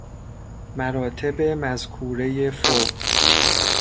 مراتب مذکورۀ فوق